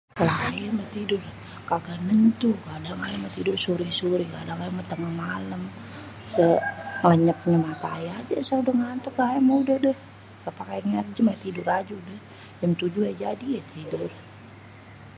Lah ayê meh tidur kaga nentu, kadang ayê meh tidur sore-sore, kadang ayê me tengêh malem, sèngèlènyèpnyê matê ayê ajê. Asal udêh ngantuk juga, ayê mêh éngga paké ngéliat jêm, ayê mêh udah tidur ajê. Jêm 7 juga jadi ayê mêh tidur.